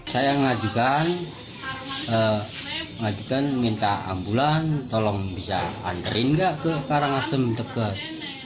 saya mengajukan minta ambulan tolong bisa anterin nggak ke karangasem dekat